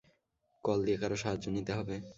Call দিয়ে কারো সাহায্য নিতে হবে।